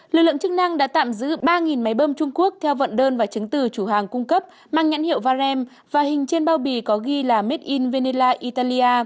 lực lượng chức năng đã tạm giữ ba máy bơm trung quốc theo vận đơn và chứng từ chủ hàng cung cấp mang nhãn hiệu varem và hình trên bao bì có ghi là made in veneza italia